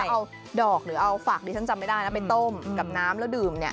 เอาดอกหรือเอาฝากเราจะไม่ได้นะต้มกับน้ำแล้วดื่ม